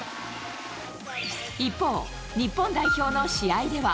一方、日本代表の試合では。